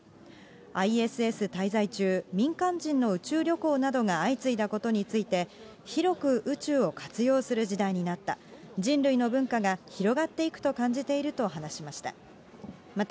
ＩＳＳ滞在中、民間人の宇宙旅行などが相次いだことについて、広く宇宙を活用する時代になった、人類の文化が広がっていくと感じていると話しました。